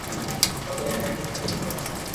তবে একা কে থাকতে চায়?